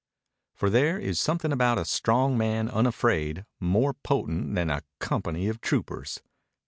For there is something about a strong man unafraid more potent than a company of troopers.